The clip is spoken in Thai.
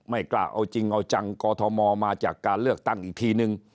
ไม่กล้าเอาจริงเอาจังกอทมมาจากการเลือกตั้งอีกทีนึง